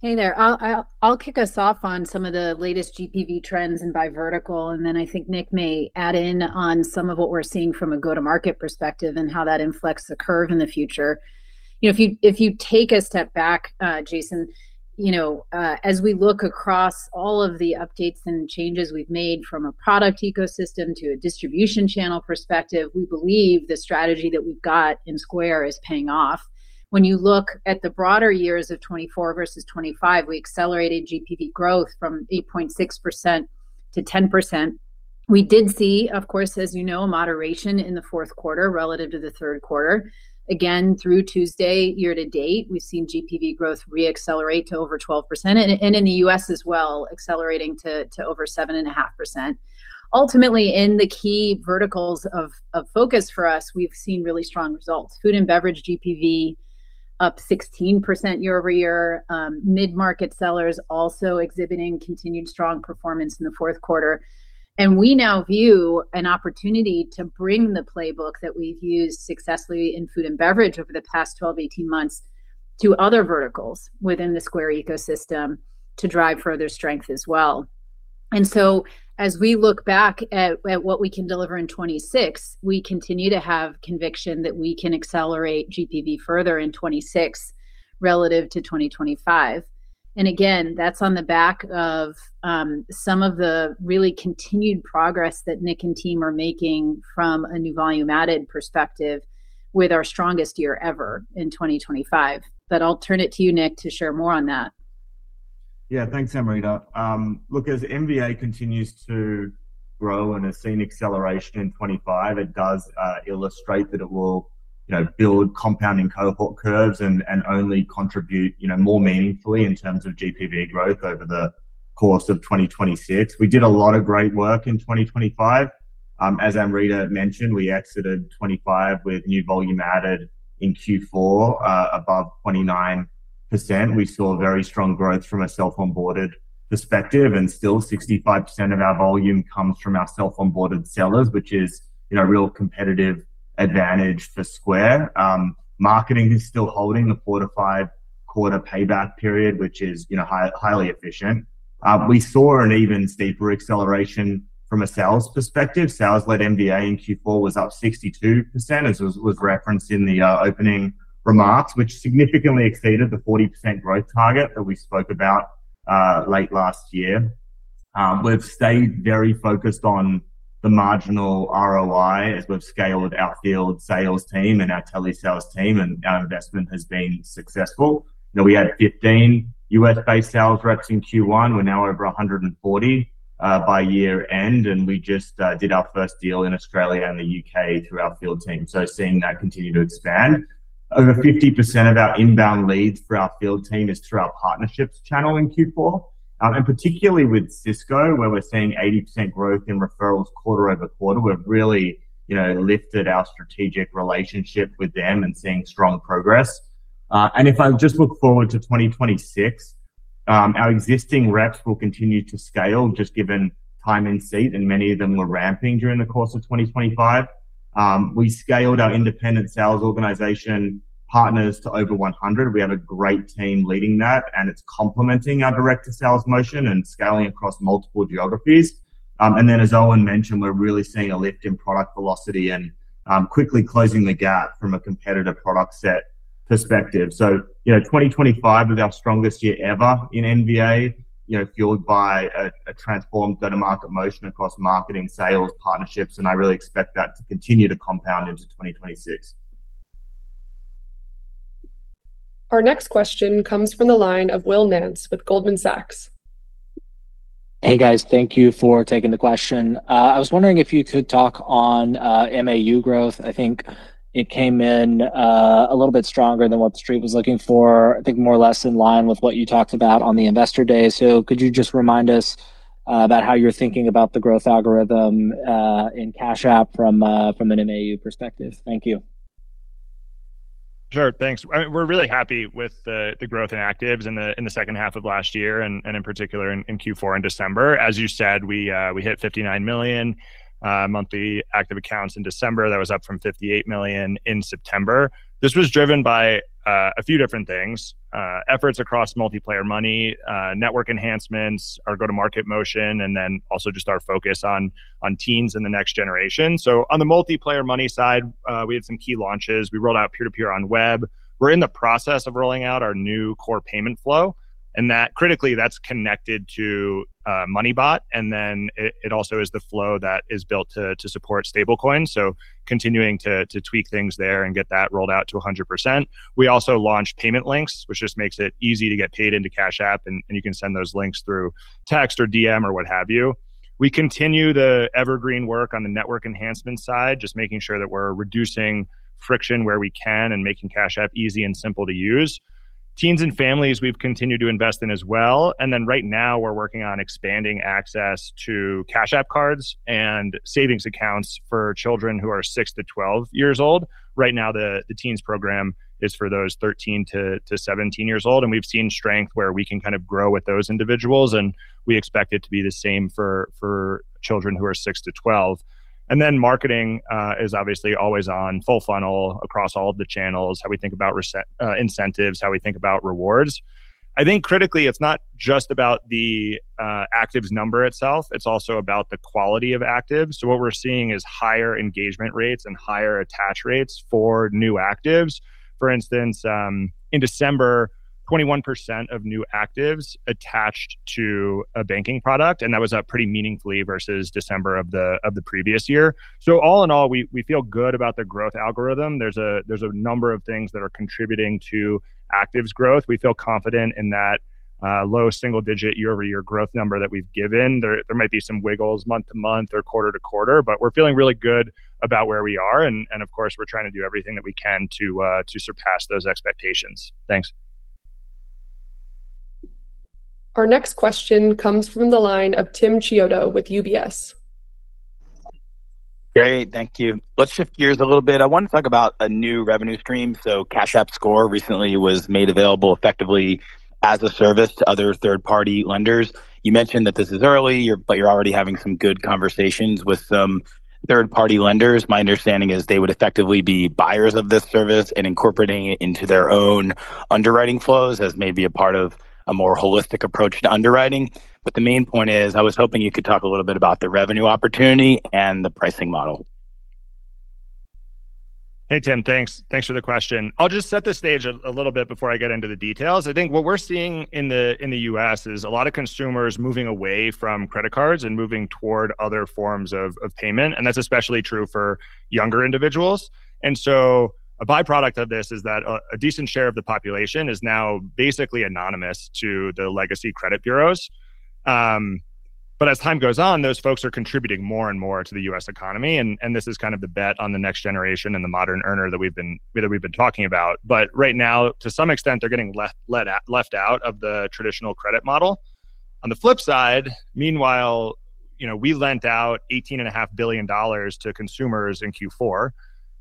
Hey there. I'll kick us off on some of the latest GPV trends and by vertical, and then I think Nick may add in on some of what we're seeing from a go-to-market perspective and how that inflects the curve in the future. You know, if you take a step back, Jason, you know, as we look across all of the updates and changes we've made from a product ecosystem to a distribution channel perspective, we believe the strategy that we've got in Square is paying off. When you look at the broader years of 2024 versus 2025, we accelerated GPV growth from 8.6% to 10%. We did see, of course, as you know, moderation in the fourth quarter relative to the third quarter. Again, through Tuesday, year to date, we've seen GPV growth re-accelerate to over 12%, and in the U.S. as well, accelerating to over 7.5%. Ultimately, in the key verticals of focus for us, we've seen really strong results. food and beverage GPV up 16% year-over-year, mid-market sellers also exhibiting continued strong performance in the fourth quarter. We now view an opportunity to bring the playbook that we've used successfully in food and beverage over the past 12, 18 months to other verticals within the Square ecosystem to drive further strength as well. As we look back at what we can deliver in 2026, we continue to have conviction that we can accelerate GPV further in 2026 relative to 2025. again, that's on the back of, some of the really continued progress that Nick and team are making from a new volume added perspective with our strongest year ever in 2025. I'll turn it to you, Nick, to share more on that. Thanks, Amrita. Look, as NVA continues to grow and has seen acceleration in 2025, it does illustrate that it will, you know, build compounding cohort curves and only contribute, you know, more meaningfully in terms of GPV growth over the course of 2026. We did a lot of great work in 2025. As Amrita mentioned, we exited 2025 with new volume added in Q4 above 29%. We saw very strong growth from a self-onboarded perspective, and still 65% of our volume comes from our self-onboarded sellers, which is, you know, a real competitive advantage for Square. Marketing is still holding the four to five-quarter payback period, which is, you know, highly efficient. We saw an even steeper acceleration from a sales perspective. Sales-led NVA in Q4 was up 62%, as was referenced in the opening remarks, which significantly exceeded the 40% growth target that we spoke about late last year. We've stayed very focused on the marginal ROI as we've scaled our field sales team and our telesales team, and our investment has been successful. Now, we had 15 U.S.-based sales reps in Q1. We're now over 140 by year-end, and we just did our first deal in Australia and the U.K. through our field team, so seeing that continue to expand. Over 50% of our inbound leads for our field team is through our partnerships channel in Q4, and particularly with Cisco, where we're seeing 80% growth in referrals quarter-over-quarter. We've really, you know, lifted our strategic relationship with them and seeing strong progress. If I just look forward to 2026, our existing reps will continue to scale, just given time and seat, and many of them were ramping during the course of 2025. We scaled our independent sales organization partners to over 100. We have a great team leading that, and it's complementing our director sales motion and scaling across multiple geographies. Then, as Owen mentioned, we're really seeing a lift in product velocity and quickly closing the gap from a competitive product set perspective. You know, 2025 was our strongest year ever in NVA, you know, fueled by a transformed go-to-market motion across marketing, sales, partnerships, and I really expect that to continue to compound into 2026. Our next question comes from the line of Will Nance with Goldman Sachs. Hey, guys. Thank you for taking the question. I was wondering if you could talk on MAU growth. I think it came in a little bit stronger than what the Street was looking for, I think more or less in line with what you talked about on the Investor Day. Could you just remind us about how you're thinking about the growth algorithm in Cash App from a, from an MAU perspective? Thank you. Sure, thanks. I mean, we're really happy with the growth in actives in the second half of last year, and in particular, in Q4 in December. As you said, we hit 59 million monthly active accounts in December. That was up from 58 million in September. This was driven by a few different things: efforts across multiplayer money, network enhancements, our go-to-market motion, and then also just our focus on teens and the next generation. On the multiplayer money side, we had some key launches. We rolled out peer-to-peer on web. We're in the process of rolling out our new core payment flow, critically, that's connected to MoneyBot, and then it also is the flow that is built to support stablecoins, continuing to tweak things there and get that rolled out to 100%. We also launched Payment Links, which just makes it easy to get paid into Cash App, and you can send those links through text or DM or what have you. We continue the evergreen work on the network enhancement side, just making sure that we're reducing friction where we can and making Cash App easy and simple to use. Teens and families, we've continued to invest in as well, right now, we're working on expanding access to Cash App Cards and savings accounts for children who are six to 12 years old. Right now, the teens program is for those 13 to 17 years old. We've seen strength where we can kind of grow with those individuals, and we expect it to be the same for children who are six to 12. Marketing is obviously always on full funnel across all of the channels, how we think about incentives, how we think about rewards. I think critically, it's not just about the actives number itself, it's also about the quality of actives. What we're seeing is higher engagement rates and higher attach rates for new actives. For instance, in December, 21% of new actives attached to a banking product, and that was up pretty meaningfully versus December of the previous year. All in all, we feel good about the growth algorithm. There's a number of things that are contributing to actives growth. We feel confident in that low single-digit year-over-year growth number that we've given. There might be some wiggles month to month or quarter to quarter, but we're feeling really good about where we are, and of course, we're trying to do everything that we can to surpass those expectations. Thanks. Our next question comes from the line of Tim Chiodo with UBS. Great. Thank you. Let's shift gears a little bit. I want to talk about a new revenue stream. Cash App Score recently was made available effectively as a service to other third-party lenders. You mentioned that this is early, but you're already having some good conversations with some third-party lenders. My understanding is they would effectively be buyers of this service and incorporating it into their own underwriting flows as maybe a part of a more holistic approach to underwriting. The main point is, I was hoping you could talk a little bit about the revenue opportunity and the pricing model. Hey, Tim. Thanks for the question. I'll just set the stage a little bit before I get into the details. I think what we're seeing in the U.S. is a lot of consumers moving away from credit cards and moving toward other forms of payment, and that's especially true for younger individuals. A by-product of this is that a decent share of the population is now basically anonymous to the legacy credit bureaus. As time goes on, those folks are contributing more and more to the U.S. economy, and this is kind of the bet on the next generation and the modern earner that we've been talking about. Right now, to some extent, they're getting left out of the traditional credit model. On the flip side, meanwhile, you know, we lent out $18.5 billion to consumers in Q4,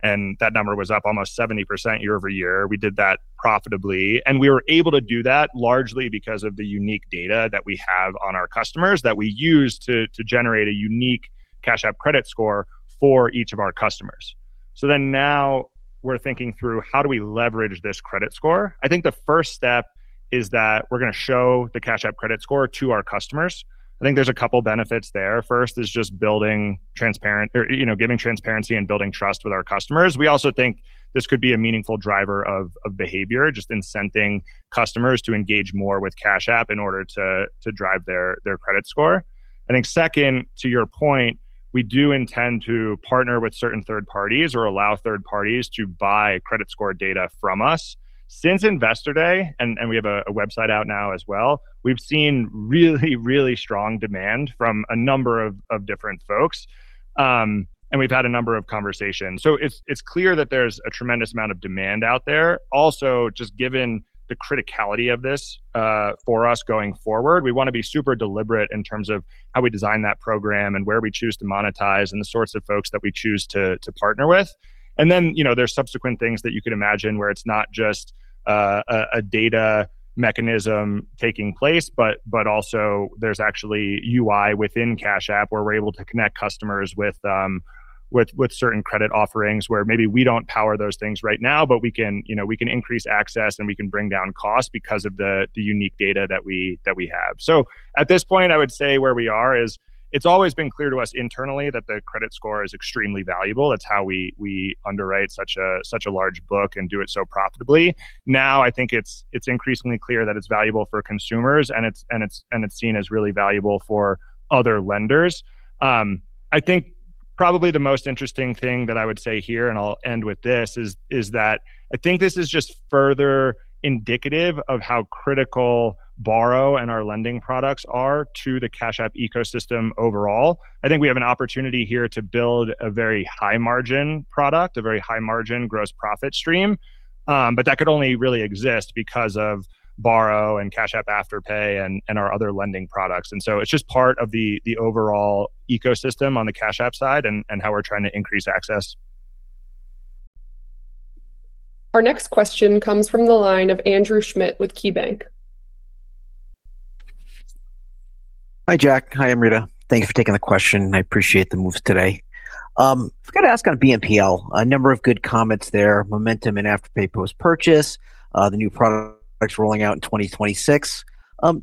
and that number was up almost 70% year-over-year. We did that profitably, and we were able to do that largely because of the unique data that we have on our customers that we use to generate a unique Cash App credit score for each of our customers. Now we're thinking through: how do we leverage this credit score? I think the first step is that we're gonna show the Cash App credit score to our customers. I think there's a couple benefits there. First is just giving transparency and building trust with our customers. We also think this could be a meaningful driver of behavior, just incenting customers to engage more with Cash App in order to drive their credit score. I think second, to your point, we do intend to partner with certain third parties or allow third parties to buy credit score data from us. Since Investor Day, we have a website out now as well, we've seen really strong demand from a number of different folks, and we've had a number of conversations. It's clear that there's a tremendous amount of demand out there. Just given the criticality of this for us going forward, we wanna be super deliberate in terms of how we design that program and where we choose to monetize, and the sorts of folks that we choose to partner with. Then, you know, there's subsequent things that you could imagine where it's not just a data mechanism taking place, but also there's actually UI within Cash App, where we're able to connect customers with certain credit offerings, where maybe we don't power those things right now, but we can, you know, we can increase access and we can bring down costs because of the unique data that we have. At this point, I would say where we are is, it's always been clear to us internally that the credit score is extremely valuable. That's how we underwrite such a large book and do it so profitably. I think it's increasingly clear that it's valuable for consumers, and it's seen as really valuable for other lenders. I think probably the most interesting thing that I would say here, and I'll end with this, is that I think this is just further indicative of how critical Borrow and our lending products are to the Cash App ecosystem overall. I think we have an opportunity here to build a very high-margin product, a very high-margin gross profit stream, but that could only really exist because of Borrow and Cash App Afterpay and our other lending products. It's just part of the overall ecosystem on the Cash App side and how we're trying to increase access. Our next question comes from the line of Andrew Schmidt with KeyBanc. Hi, Jack. Hi, Amrita. Thank you for taking the question. I appreciate the moves today. I forgot to ask on BNPL, a number of good comments there, momentum and Afterpay post-purchase, the new product that's rolling out in 2026.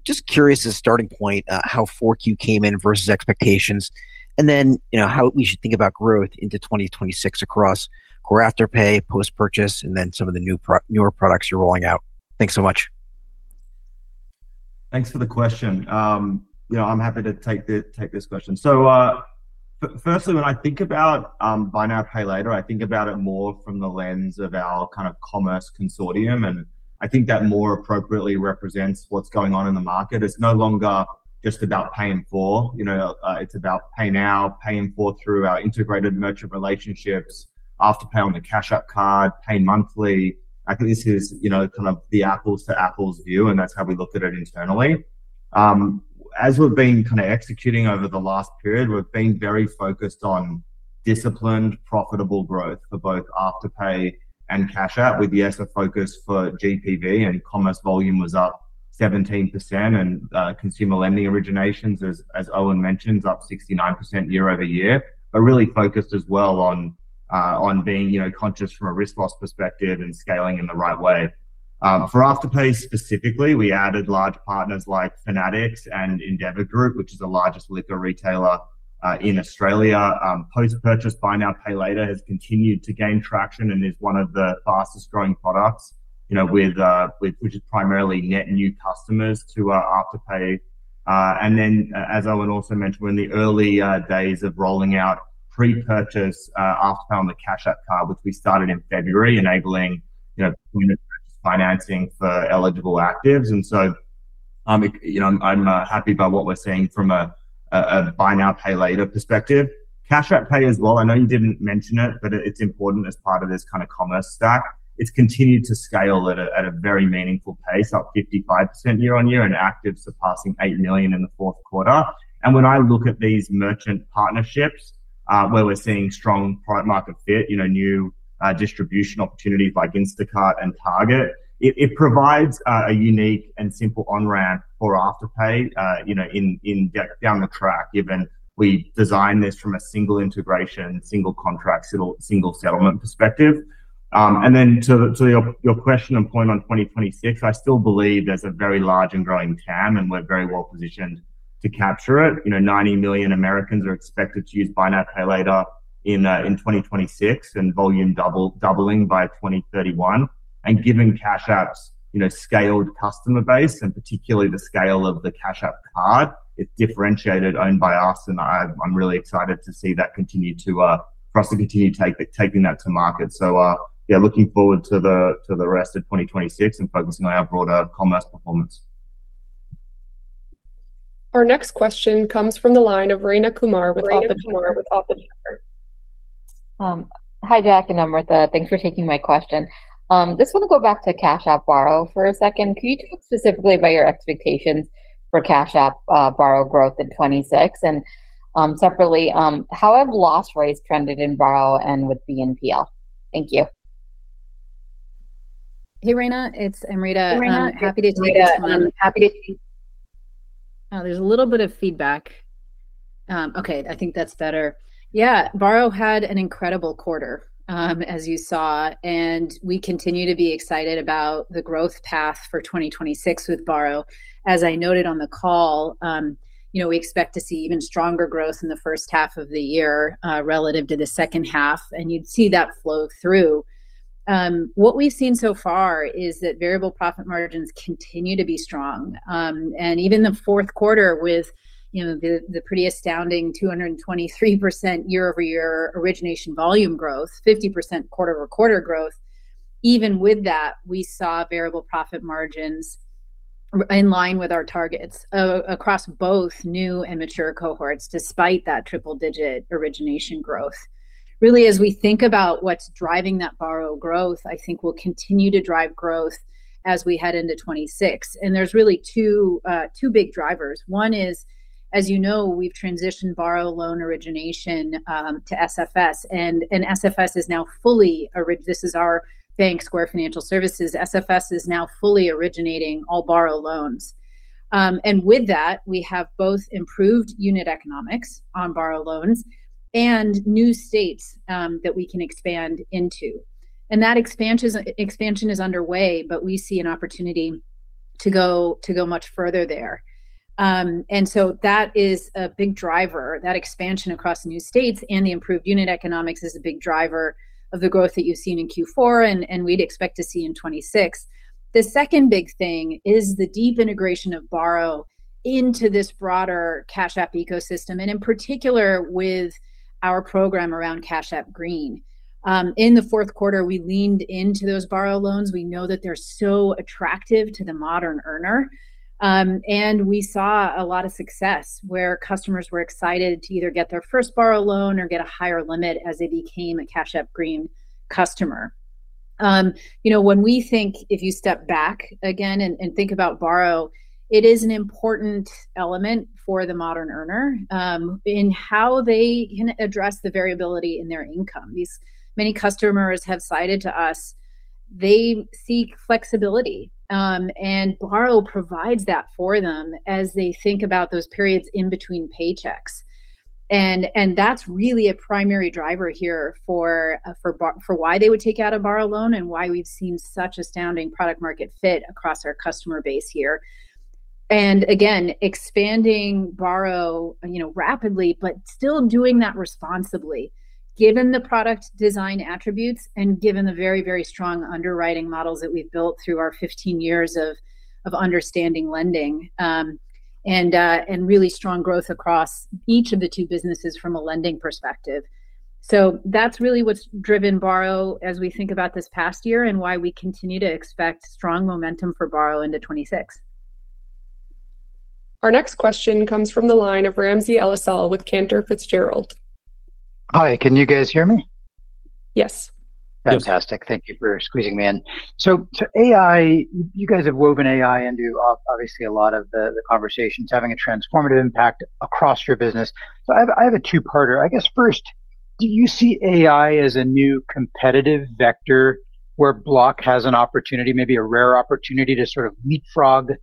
Just curious as a starting point, how Q4 came in versus expectations, then, you know, how we should think about growth into 2026 across or Afterpay, post-purchase, then some of the newer products you're rolling out. Thanks so much. Thanks for the question. yeah, I'm happy to take this question. Firstly, when I think about buy now, pay later, I think about it more from the lens of our kind of commerce consortium. I think that more appropriately represents what's going on in the market. It's no longer just about paying for, you know, it's about pay now, paying for through our integrated merchant relationships, Afterpay on the Cash App Card, pay monthly. I think this is, you know, kind of the apples to apples view. That's how we looked at it internally. As we've been kind of executing over the last period, we've been very focused on disciplined, profitable growth for both Afterpay and Cash App, with yes, a focus for GPV, commerce volume was up 17%, consumer lending originations, as Owen mentioned, up 69% year-over-year. Really focused as well on being, you know, conscious from a risk loss perspective and scaling in the right way. For Afterpay specifically, we added large partners like Fanatics and Endeavour Group, which is the largest liquor retailer in Australia. Post-purchase, buy now, pay later, has continued to gain traction and is one of the fastest-growing products, you know, which is primarily net new customers to Afterpay. As Owen also mentioned, we're in the early days of rolling out pre-purchase Afterpay on the Cash App Card, which we started in February, enabling, you know, financing for eligible actives. You know, I'm happy about what we're seeing from a buy now, pay later perspective. Cash App Pay as well, I know you didn't mention it, but it's important as part of this kind of commerce stack. It's continued to scale at a very meaningful pace, up 55% year-on-year and active, surpassing $8 million in the fourth quarter. When I look at these merchant partnerships, where we're seeing strong product market fit, you know, new, distribution opportunities like Instacart and Target, it provides a unique and simple on-ramp for Afterpay, you know, in down the track, given we designed this from a single integration, single contract, single settlement perspective. Then to your question and point on 2026, I still believe there's a very large and growing TAM, and we're very well positioned to capture it. You know, 90 million Americans are expected to use buy now, pay later in 2026, and volume doubling by 2031. Given Cash App's, you know, scaled customer base, and particularly the scale of the Cash App Card, it's differentiated, owned by us, and I'm really excited to see that continue to for us to continue taking that to market. yeah, looking forward to the rest of 2026 and focusing on our broader commerce performance. Our next question comes from the line of Rayna Kumar with Oppenheimer. Hi, Jack and Amrita. Thanks for taking my question. Just want to go back to Cash App Borrow for a second. Can you talk specifically about your expectations for Cash App Borrow growth in 2026? Separately, how have loss rates trended in Borrow and with BNPL? Thank you. Hey, Rayna, it's Amrita. Happy to take this one. Oh, there's a little bit of feedback. Okay, I think that's better. Borrow had an incredible quarter, as you saw. We continue to be excited about the growth path for 2026 with Borrow. As I noted on the call, you know, we expect to see even stronger growth in the first half of the year relative to the second half. You'd see that flow through. What we've seen so far is that variable profit margins continue to be strong. Even the fourth quarter with, you know, the pretty astounding 223% year-over-year origination volume growth, 50% quarter-over-quarter growth, even with that, we saw variable profit margins in line with our targets across both new and mature cohorts, despite that triple digit origination growth. As we think about what's driving that Borrow growth, I think will continue to drive growth as we head into 2026. There's really two big drivers. One is, as you know, we've transitioned Borrow loan origination to SFS. SFS is now fully. This is our bank, Square Financial Services. SFS is now fully originating all Borrow loans. With that, we have both improved unit economics on Borrow loans and new states that we can expand into. That expansion is underway, but we see an opportunity to go much further there. So that is a big driver, that expansion across new states and the improved unit economics is a big driver of the growth that you've seen in Q4 and we'd expect to see in 2026. The second big thing is the deep integration of Borrow into this broader Cash App ecosystem, and in particular, with our program around Cash App Green. In the fourth quarter, we leaned into those Borrow loans. We know that they're so attractive to the modern earner, and we saw a lot of success where customers were excited to either get their first Borrow loan or get a higher limit as they became a Cash App Green customer. You know, when we think, if you step back again and think about Borrow, it is an important element for the modern earner in how they can address the variability in their income. Many customers have cited to us, they seek flexibility, and Borrow provides that for them as they think about those periods in between paychecks. That's really a primary driver here for why they would take out a Borrow loan and why we've seen such astounding product market fit across our customer base here. Again, expanding Borrow, you know, rapidly, but still doing that responsibly, given the product design attributes and given the very, very strong underwriting models that we've built through our 15 years of understanding lending, and really strong growth across each of the two businesses from a lending perspective. That's really what's driven Borrow as we think about this past year, and why we continue to expect strong momentum for Borrow into 2026. Our next question comes from the line of Ramsey El-Assal with Cantor Fitzgerald. Hi, can you guys hear me? Yes. Yes. Fantastic. Thank you for squeezing me in. To AI, you guys have woven AI into obviously, a lot of the conversations, having a transformative impact across your business. I have a two-parter. I guess, first, do you see AI as a new competitive vector where Block has an opportunity, maybe a rare opportunity, to sort of leapfrog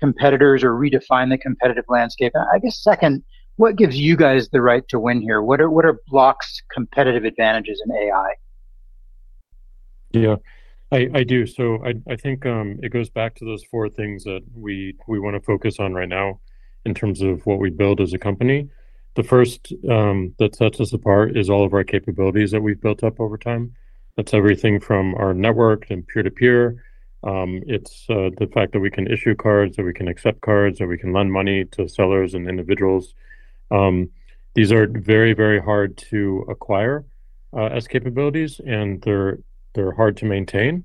competitors or redefine the competitive landscape? I guess, second, what gives you guys the right to win here? What are Block's competitive advantages in AI? Yeah, I do. I think it goes back to those four things that we wanna focus on right now in terms of what we build as a company. The first that sets us apart is all of our capabilities that we've built up over time. That's everything from our network and peer-to-peer. It's the fact that we can issue cards, that we can accept cards, that we can lend money to sellers and individuals. These are very hard to acquire as capabilities, and they're hard to maintain.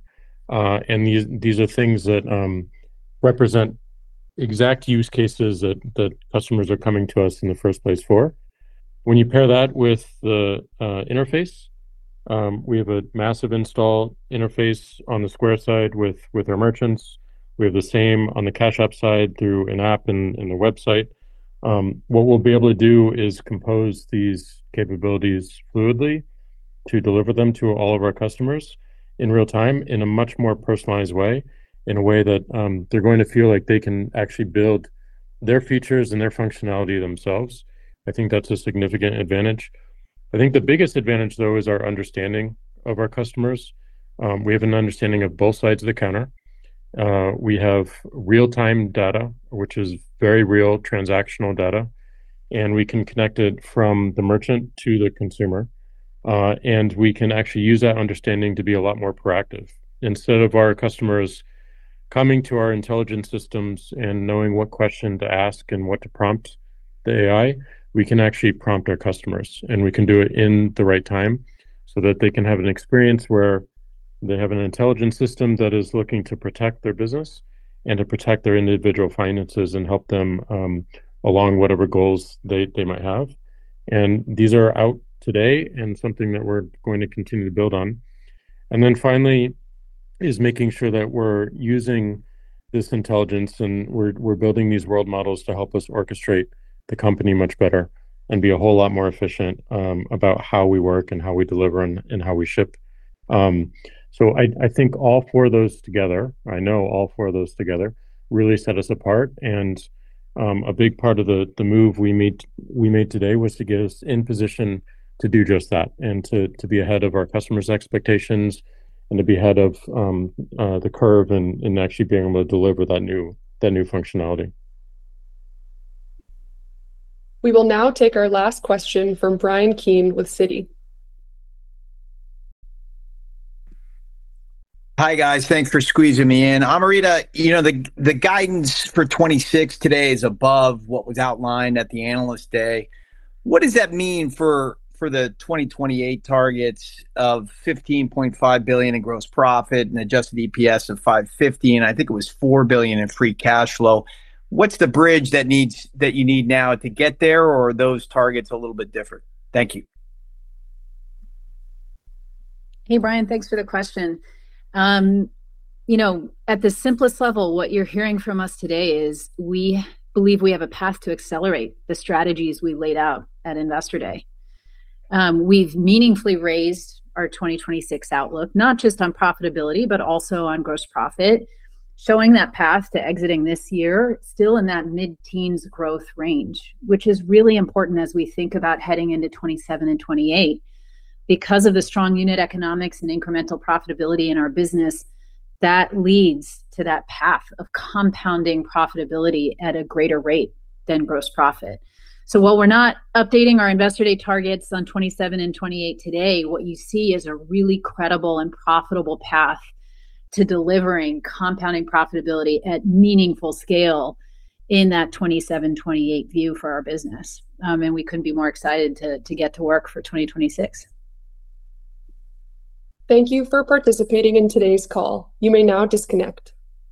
These are things that represent exact use cases that customers are coming to us in the first place for. When you pair that with the interface, we have a massive install interface on the Square side with our merchants. We have the same on the Cash App side through an app and the website. What we'll be able to do is compose these capabilities fluidly to deliver them to all of our customers in real time, in a much more personalized way, in a way that they're going to feel like they can actually build their features and their functionality themselves. I think that's a significant advantage. I think the biggest advantage, though, is our understanding of our customers. We have an understanding of both sides of the counter. We have real-time data, which is very real transactional data, and we can connect it from the merchant to the consumer, and we can actually use that understanding to be a lot more proactive. Instead of our customers coming to our intelligence systems and knowing what question to ask and what to prompt the AI, we can actually prompt our customers, and we can do it in the right time, so that they can have an experience where they have an intelligent system that is looking to protect their business and to protect their individual finances and help them along whatever goals they might have. These are out today and something that we're going to continue to build on. Finally, is making sure that we're using this intelligence, and we're building these world models to help us orchestrate the company much better and be a whole lot more efficient about how we work and how we deliver and how we ship. I think all four of those together, I know all four of those together really set us apart, and a big part of the move we made today was to get us in position to do just that and to be ahead of our customers' expectations and to be ahead of the curve and actually being able to deliver that new functionality. We will now take our last question from Bryan Keane with Citi. Hi, guys. Thanks for squeezing me in. Amrita, you know, the guidance for 2026 today is above what was outlined at the Analyst Day. What does that mean for the 2028 targets of $15.5 billion in gross profit and adjusted EPS of $5.50, and I think it was $4 billion in free cash flow? What's the bridge that you need now to get there, or are those targets a little bit different? Thank you. Hey, Bryan, thanks for the question. you know, at the simplest level, what you're hearing from us today is, we believe we have a path to accelerate the strategies we laid out at Investor Day. we've meaningfully raised our 2026 outlook, not just on profitability, but also on gross profit, showing that path to exiting this year still in that mid-teens growth range, which is really important as we think about heading into 2027 and 2028. Because of the strong unit economics and incremental profitability in our business, that leads to that path of compounding profitability at a greater rate than gross profit. While we're not updating our Investor Day targets on 2027 and 2028 today, what you see is a really credible and profitable path to delivering compounding profitability at meaningful scale in that 2027, 2028 view for our business. We couldn't be more excited to get to work for 2026. Thank you for participating in today's call. You may now disconnect.